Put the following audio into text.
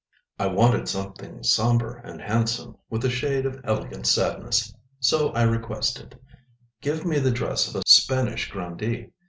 I wanted something sombre and handsome, with a shade of elegant sadness; so I requested: "Give me the dress of a Spanish grandee."